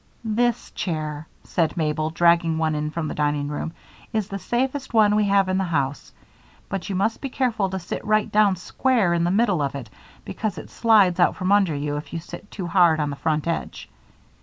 "This chair," said Mabel, dragging one in from the dining room, "is the safest one we have in the house, but you must be careful to sit right down square in the middle of it because it slides out from under you if you sit too hard on the front edge.